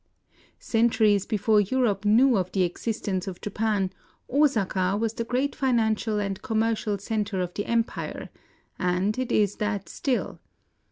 Centuries before Europe knew of the exist ence of Japan, Osaka was the great financial and commercial centre of the empire ; and it is that still.